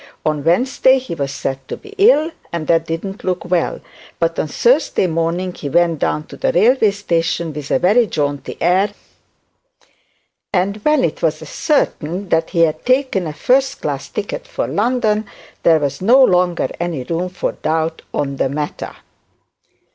On Wednesday, he was said to be ill, and that did not look well; but on Thursday morning he went down to the railway station, with a very jaunty air; and when it was ascertained that he had taken a first class ticket for London, there was no longer any room for doubt on the matter.